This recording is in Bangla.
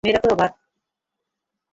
মেয়েরা তো অবাক।